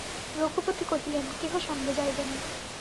রঘুপতি কহিলেন, কেহ সঙ্গে যাইবে না।